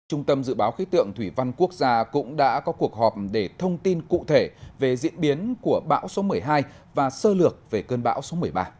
trung tâm dự báo khí tượng thủy văn quốc gia cũng đã có cuộc họp để thông tin cụ thể về diễn biến của bão số một mươi hai và sơ lược về cơn bão số một mươi ba